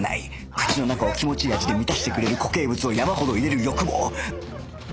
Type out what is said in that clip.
口の中を気持ちいい味で満たしてくれる固形物を山ほど入れる欲望